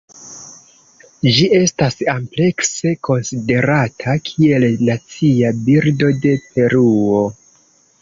Ĝi estas amplekse konsiderata kiel nacia birdo de Peruo.